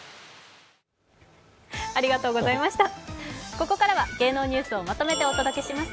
ここからは芸能ニュースをまとめてお届けします。